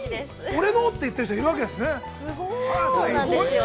◆俺のって、言っている人がいるわけですね。